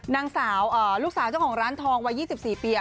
นางสาวลูกสาวเจ้าของร้านทองวัย๒๔ปี